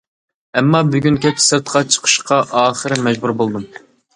ئەمما بۈگۈن كەچ، سىرتقا چىقىشقا ئاخىرى مەجبۇر بولدۇم.